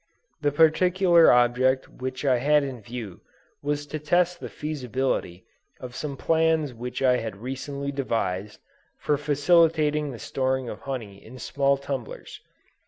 The particular object which I had in view, was to test the feasibility of some plans which I had recently devised, for facilitating the storing of honey in small tumblers.